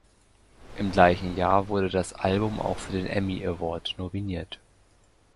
Im gleichen Jahr wurde das Album auch für den Emmy Award nominiert.